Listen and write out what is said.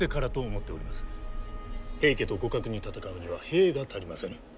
平家と互角に戦うには兵が足りませぬ。